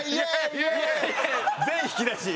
全引き出し。